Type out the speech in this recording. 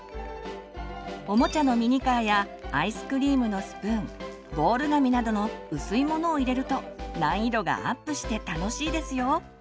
おもちゃのミニカーやアイスクリームのスプーンボール紙などの薄いものを入れると難易度がアップして楽しいですよ。